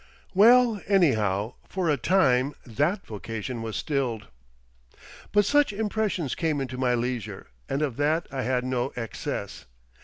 Well, anyhow, for a time that vocation was stilled. But such impressions came into my leisure, and of that I had no excess.